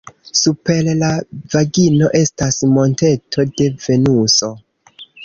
Super la vagino estas monteto de Venuso.